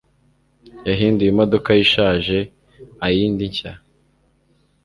Yahinduye imodoka ye ishaje ayindi nshya.